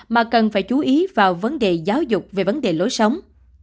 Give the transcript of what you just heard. mà cần phải chú ý vào vấn đề giáo dục về vấn đề lối sống